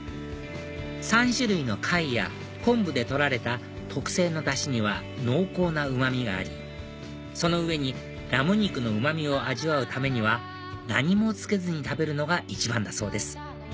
３種類の貝や昆布で取られた特製のダシには濃厚なうまみがありその上にラム肉のうまみを味わうためには何もつけずに食べるのが一番だそうです